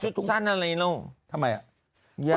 อุ้ยสุดสั้นอันนี้ลุงทำไมอ่ะ